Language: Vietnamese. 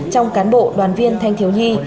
trong cán bộ đoàn viên thanh thiếu nhi